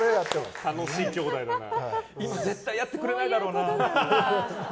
今絶対やってくれないだろうな。